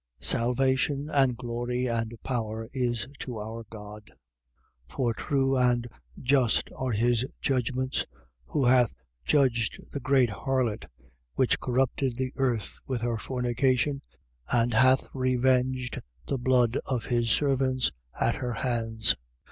Salvation and glory and power is to our God. 19:2. For true and just are his judgments, who hath judged the great harlot which corrupted the earth with her fornication and hath revenged the blood of his servants, at her hands.